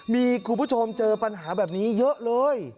มีคุณผู้ชมเจอปัญหาแบบนี้เยอะเลย